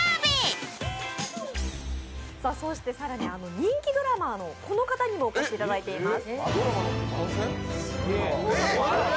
人気ドラマのこの方にもお越しいただいています。